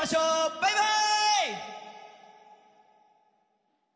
バイバイ！